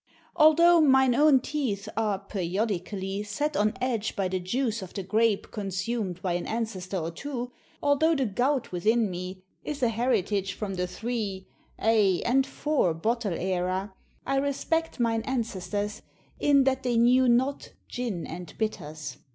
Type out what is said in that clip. Although mine own teeth are, periodically, set on edge by the juice of the grape consumed by an ancestor or two; although the gout within me is an heritage from the three , aye! and four , bottle era, I respect mine ancestors, in that they knew not "gin and bitters."